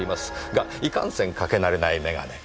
がいかんせんかけ慣れない眼鏡。